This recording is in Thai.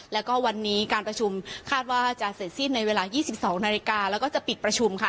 แล้วก็วันนี้การประชุมคาดว่าจะเสร็จสิ้นในเวลา๒๒นาฬิกาแล้วก็จะปิดประชุมค่ะ